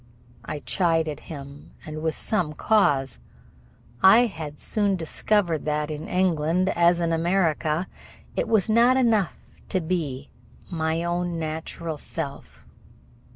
I chided him, and with some cause. I had soon discovered that in England, as in America, it was not enough to be "my own natural self."